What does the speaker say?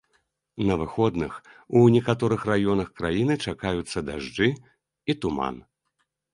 На выходных у некаторых раёнах краіны чакаюцца дажджы і туман.